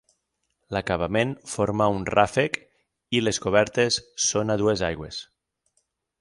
L'acabament forma un ràfec, i les cobertes són a dues aigües.